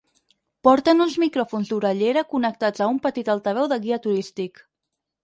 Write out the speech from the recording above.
Porten uns micròfons d'orellera connectats a un petit altaveu de guia turístic.